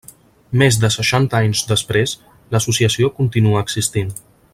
Més de seixanta anys després, l'associació continua existint.